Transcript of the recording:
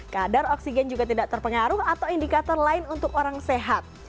kadar oksigen juga tidak terpengaruh atau indikator lain untuk orang sehat